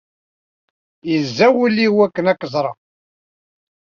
Yezza wul-inu akken ad k-ẓreɣ.